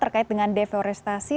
baik dengan devorestasi